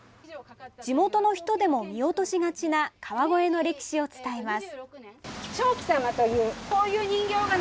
地元の人でも見落としがちな川越の歴史を伝えます。